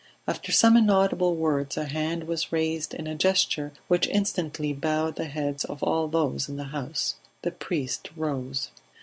After some inaudible words a hand was raised in a gesture which instantly bowed the heads of all those in the house. The priest rose.